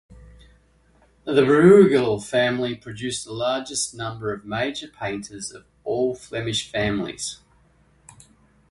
The Brueghel family produced the largest number of major painters of all Flemish families.